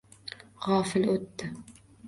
G’ofil o’tdi